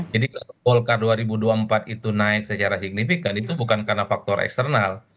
jadi kalau golkar dua ribu dua puluh empat itu naik secara signifikan itu bukan karena faktor eksternal